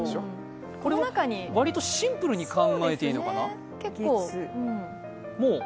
これは割とシンプルに考えていいのかな？